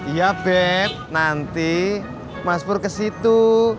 iya beb nanti mas pur ke situ